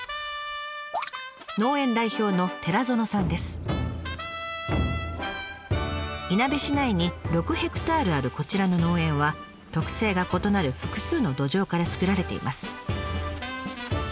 農園代表のいなべ市内に６ヘクタールあるこちらの農園は特性が異なる複数の土壌から作られています。